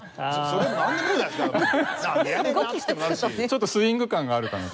ちょっとスウィング感があるかな。